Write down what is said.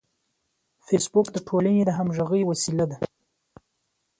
فېسبوک د ټولنې د همغږۍ وسیله ده